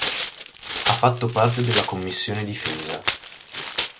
Ha fatto parte della Commissione difesa.